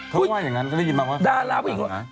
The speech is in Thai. เขาว่าอย่างนั้นก็ได้ยินมาว่าคือผู้หญิงกราบผิวดาวนะ